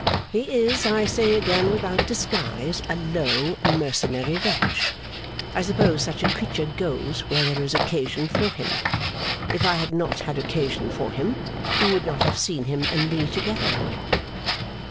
He is, I say again without disguise, a low mercenary wretch. I suppose such a creature goes where there is occasion for him. If I had not had occasion for him, you would not have seen him and me together.